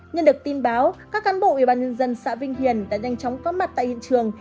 nhân được tin báo các cán bộ ủy ban nhân dân xã vinh hiền đã nhanh chóng có mặt tại hiện trường